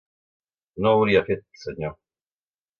No ho hauria fet, senyor.